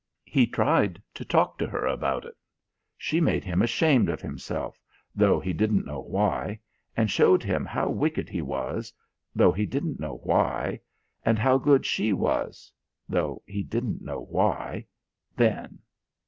He tried to talk to her about it. She made him ashamed of himself, though he didn't know why; and showed him how wicked he was, though he didn't know why; and how good she was, though he didn't know why then.